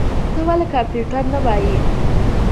ته ولي کمپيوټر نه وايې؟